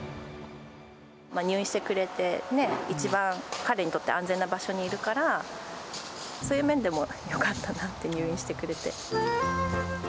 入院してくれてね、一番、彼にとって安全な場所にいるから、そういう面でもよかったなって、入院してくれて。